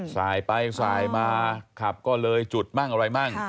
สายไปสายมาขับก็เลยจุดมั่งอะไรมั่ง